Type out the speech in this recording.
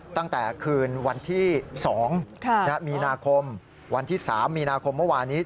ตั้งแต่คืนวันที่๒มีนาคมวันที่๓มีนาคมเมื่อวานนี้